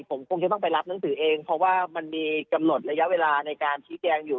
ผมคงจะต้องไปรับหนังสือเองเพราะว่ามันมีกำหนดระยะเวลาในการชี้แจงอยู่